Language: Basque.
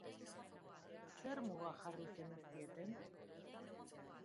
Zer muga jarri zenizkieten?